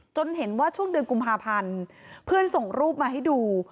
เห็นว่าช่วงเดือนกุมภาพันธ์เพื่อนส่งรูปมาให้ดู